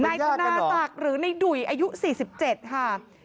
ในคณะปากหรือในดุ๋ยอายุ๖๗ค่ะ